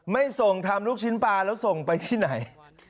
ไม่ส่งทำลูกชิ้นปลาแล้วส่งไปที่ไหน